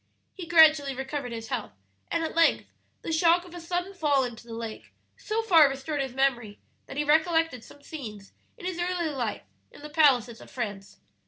"He gradually recovered his health, and at length the shock of a sudden fall into the lake so far restored his memory that he recollected some scenes in his early life in the palaces of France.